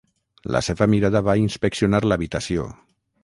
La seva mirada va inspeccionar l'habitació.